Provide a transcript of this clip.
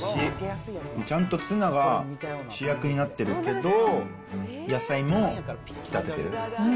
ちゃんとツナが主役になってるけど、野菜も引き立ててる。